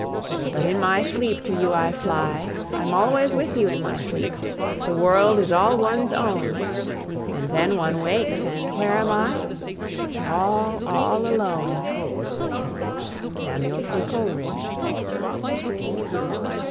But in my sleep to you I fly: I'm always with you in my sleep! The world is all one's own. And then one wakes, and where am I? All, all alone. SAMUEL T. COLERIDGE.